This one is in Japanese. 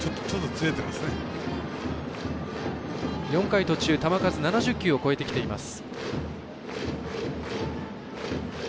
４回途中、球数７０球を超えてきています。